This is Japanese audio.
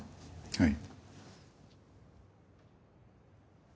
はい。